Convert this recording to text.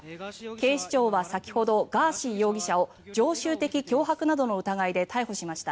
警視庁は、先ほどガーシー容疑者を常習的脅迫などの疑いで逮捕しました。